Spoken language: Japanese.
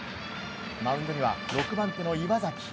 マウンドには６番手の岩崎。